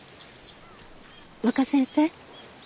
若先生。